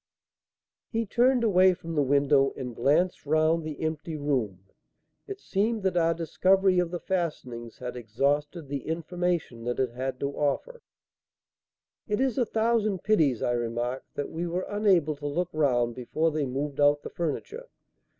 He turned away from the window and glanced round the empty room. It seemed that our discovery of the fastenings had exhausted the information that it had to offer. "It is a thousand pities," I remarked, "that we were unable to look round before they moved out the furniture.